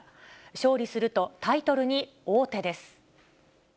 勝利するとタイトルに王手です。